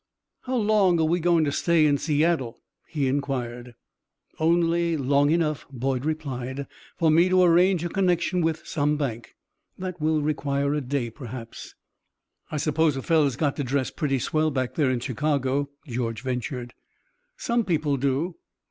"How long are we going to stay in Seattle?" he inquired. "Only long enough," Boyd replied, "for me to arrange a connection with some bank. That will require a day, perhaps." "I suppose a feller has got to dress pretty swell back there in Chicago," George ventured. "Some people do."